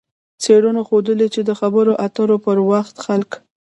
څېړنو ښودلې چې د خبرو اترو پر وخت خلک